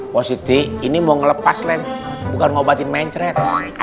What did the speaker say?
positif ini mau ngelepas lem bukan ngobatin mencret